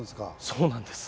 そうなんです。